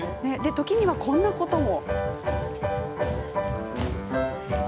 時には、こんなことも。